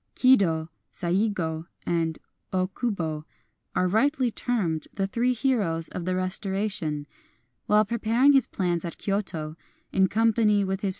Kido, Saigo, and Okubo are rightly termed the three heroes of the restora tion. While preparing his plans at Kyoto, in company with his friend Saigo, Kido com rise.